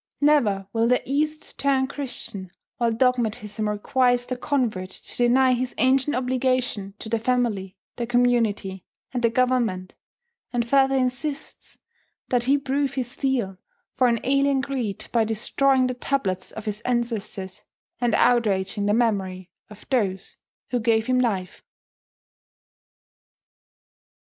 Never will the East turn Christian while dogmatism requires the convert to deny his ancient obligation to the family, the community, and the government, and further insists that he prove his zeal for an alien creed by destroying the tablets of his ancestors, and outraging the memory of those who gave him life.